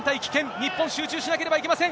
日本、集中しなければいけません。